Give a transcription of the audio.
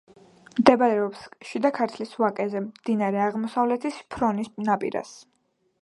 მდებარეობს შიდა ქართლის ვაკეზე, მდინარე აღმოსავლეთის ფრონის ნაპირას.